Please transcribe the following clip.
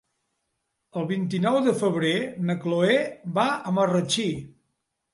El vint-i-nou de febrer na Cloè va a Marratxí.